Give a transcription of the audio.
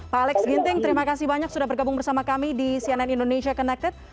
pak alex ginting terima kasih banyak sudah bergabung bersama kami di cnn indonesia connected